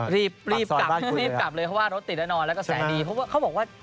รีบกลับเลยเพราะว่ารถติดแล้วนอนแล้วก็แสนดีเพราะว่าเขาบอกว่า